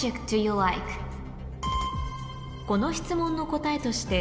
この質問の答えとして